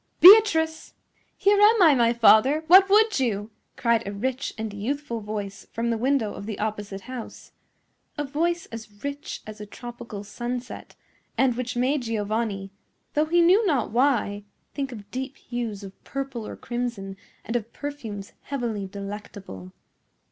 Beatrice!" "Here am I, my father. What would you?" cried a rich and youthful voice from the window of the opposite house—a voice as rich as a tropical sunset, and which made Giovanni, though he knew not why, think of deep hues of purple or crimson and of perfumes heavily delectable.